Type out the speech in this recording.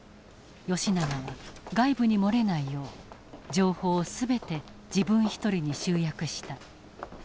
永は外部に漏れないよう情報を全て自分一人に集約した。